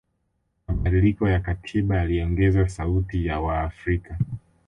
mabadiliko ya katiba yaliongeza sauti ya waafrika